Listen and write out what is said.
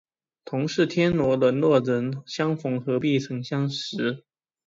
同是天涯沦落人，相逢何必曾相识